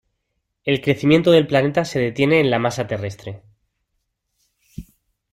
El crecimiento del planeta se detiene en la masa terrestre.